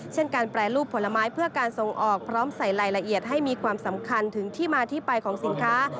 เช่นการแปรรูปผลไม้เพื่อการส่งออกพร้อมใส่รายละเอียดให้มีความสำคัญถึงที่มาที่ไปของสินค้า